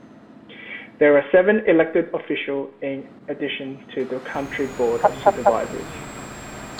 There are seven elected officials in addition to the County Board of Supervisors.